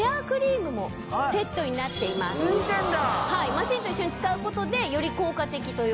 マシンと一緒に使うことでより効果的ということです。